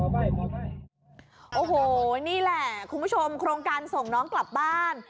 โอ้โหนี่แหละคุณผู้ชมโครงการส่งน้องกลับบ้าน